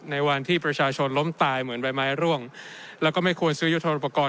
ในวันที่ประชาชนล้มตายเหมือนใบไม้ร่วงแล้วก็ไม่ควรซื้อยุทธโปรกรณ